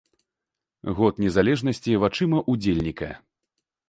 Год незалежнасці вачыма ўдзельніка.